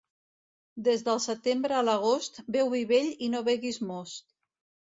Des del setembre a l'agost, beu vi vell i no beguis most.